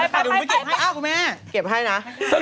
ปล่ะดูดูไปเก็บให้แม่